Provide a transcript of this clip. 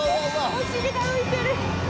お尻が浮いてる。